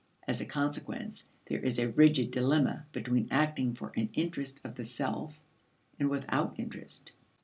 As a consequence, there is a rigid dilemma between acting for an interest of the self and without interest.